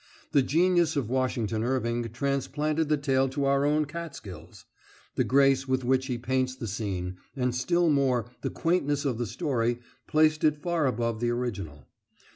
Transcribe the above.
The genius of Washington Irving transplanted the tale to our own Catskills. The grace with which he paints the scene, and, still more, the quaintness of the story, placed it far above the original.